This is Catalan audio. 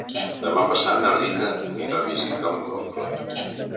Demà passat na Rita anirà a visitar mon oncle.